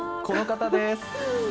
この方です！